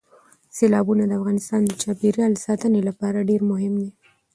سیلابونه د افغانستان د چاپیریال ساتنې لپاره ډېر مهم دي.